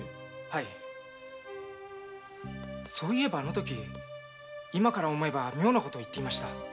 はいそういえばあのとき今から思えば妙なことを言っていました。